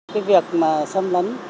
cái việc mà xâm lấn